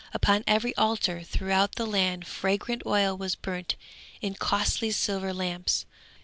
Upon every altar throughout the land fragrant oil was burnt in costly silver lamps.